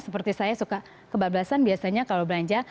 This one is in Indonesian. seperti saya suka kebablasan biasanya kalau belanja